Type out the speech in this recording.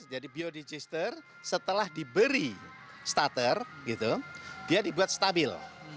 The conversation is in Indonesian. jadi biodigester setelah diberi starter dia dibuat stabil